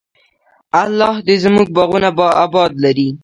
الله دې زموږ باغونه اباد لري.